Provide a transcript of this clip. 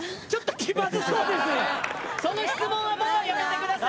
その質問はもうやめて下さい。